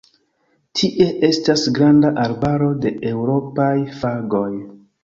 Tie estas granda arbaro de eŭropaj fagoj.